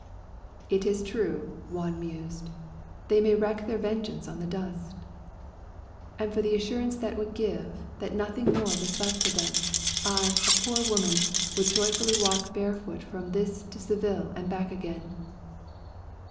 "It is true," Juan mused; "they may wreak their vengeance on the dust." "And for the assurance that would give that nothing more was left them, I, a poor woman, would joyfully walk barefoot from this to Seville and back again."